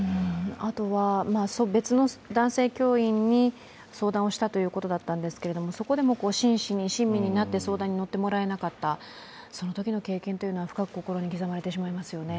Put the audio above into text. あとは別の男性教員に相談をしたということだったんですけれどもそこでも真摯に、親身になってもらえなかったというそのときの経験というのは深く心に刻まれてしまいますよね。